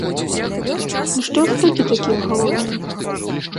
Ну што ж рукі такія халодныя?!